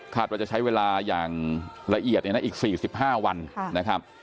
คาดว่าจะใช้เวลาอย่างละเอียดเนี่ยนะอีกสี่สิบห้าวันค่ะนะครับ